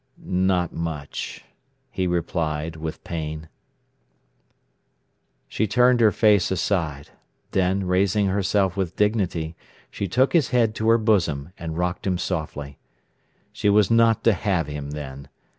"Not much," he replied, with pain. She turned her face aside; then, raising herself with dignity, she took his head to her bosom, and rocked him softly. She was not to have him, then!